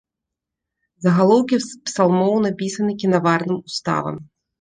Загалоўкі псалмоў напісаны кінаварным уставам.